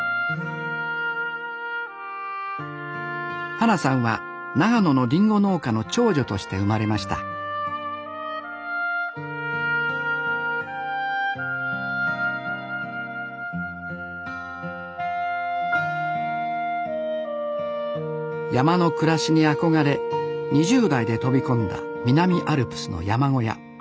花さんは長野のりんご農家の長女として生まれました山の暮らしに憧れ２０代で飛び込んだ南アルプスの山小屋。